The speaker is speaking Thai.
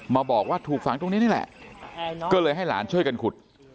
มาบอกว่าถูกฝังตรงนี้นี่แหละก็เลยให้หลานช่วยกันขุด